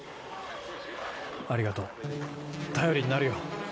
ありがとう頼りになるよ。